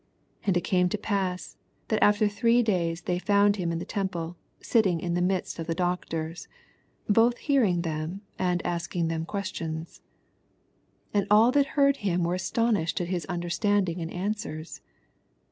46 And it came to pass, that after three days they^ found him in the temple, sitting in the midst of the i doctors, both nearing them, and ask i ing them questions. 47 And all that heard him wars astonished at his understanding and answers.